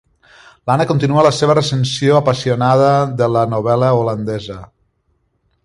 L'Anna continua la seva recensió apassionada de la novel·la holandesa.